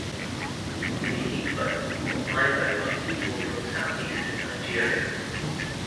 The Igbo or Ibo are people from Southeastern Nigeria.